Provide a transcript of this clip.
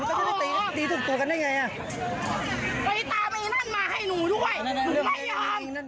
ก็จะได้ตีตีถูกตัวกันได้ไงอ่ะไปตามเองนั่นมาให้หนูด้วย